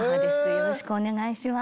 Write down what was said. よろしくお願いします。